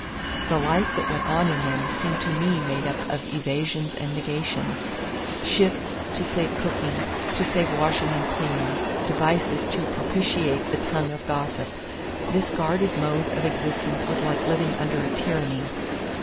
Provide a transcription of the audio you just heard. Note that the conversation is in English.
The life that went on in them seemed to me made up of evasions and negations; shifts to save cooking, to save washing and cleaning, devices to propitiate the tongue of gossip. This guarded mode of existence was like living under a tyranny.